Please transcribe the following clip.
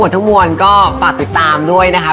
ทั้งมวลก็ฝากติดตามด้วยนะคะ